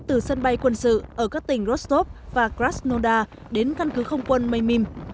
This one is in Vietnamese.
từ sân bay quân sự ở các tỉnh rostov và krasnodar đến căn cứ không quân meymim